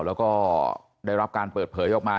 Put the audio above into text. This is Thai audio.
แล้วก็ได้รับการเปิดเผยออกมา